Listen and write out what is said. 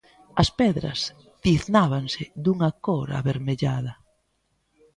As pedras tiznábanse dunha cor avermellada.